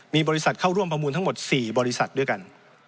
มีบริษัทเข้าร่วมประมูลทั้งหมด๔บริษัทด้วยกัน